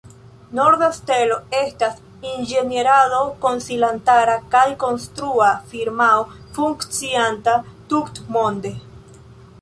Norda Stelo estas inĝenierado-konsilantara kaj konstrua firmao funkcianta tutmonde.